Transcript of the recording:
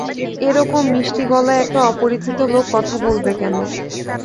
এ-রকম মিষ্টি গলায় একটা অপরিচিত লোক কথা বলবে কেন?